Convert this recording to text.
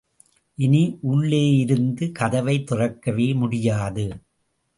இனி உள்ளேயிருந்து கதவைத் திறக்கவே முடியாது.